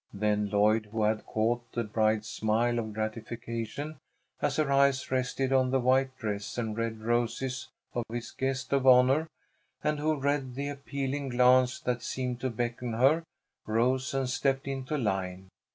Then Lloyd, who had caught the bride's smile of gratification as her eyes rested on the white dress and red roses of this guest of honor, and who read the appealing glance that seemed to beckon her, rose and stepped into line.